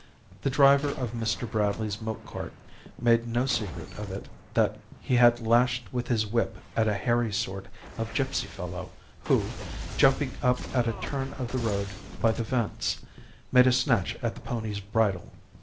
The driver of Mr. Bradley's milk cart made no secret of it that he had lashed with his whip at a hairy sort of gipsy fellow who, jumping up at a turn of the road by the Vents, made a snatch at the pony's bridle.